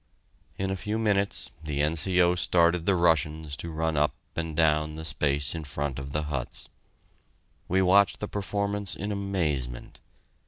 In a few minutes the N.C.O. started the Russians to run up and down the space in front of the huts. We watched the performance in amazement.